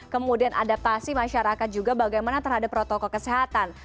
kemudian adaptasi masyarakat juga bagaimana terhadap protokol kesehatan